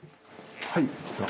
はい。